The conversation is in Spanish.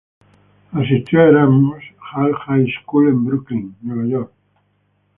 Asistió a Erasmus Hall High School en Brooklyn, Nueva York.